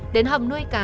đến hầm nuôi cây